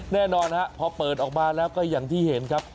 แน่นอนฮะพอเปิดออกมาแล้วก็อย่างที่เห็นครับ